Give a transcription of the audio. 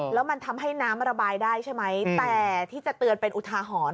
แล้วมันทำให้น้ำระบายได้ใช่ไหมแต่ที่จะเตือนเป็นอุทาหรณ์